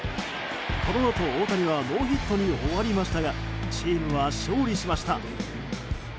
このあと、大谷はノーヒットに終わりましたがチームは勝利しました。